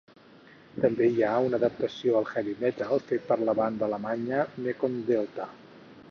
També hi ha una adaptació al heavy metal fet per la banda alemanya Mekong Delta.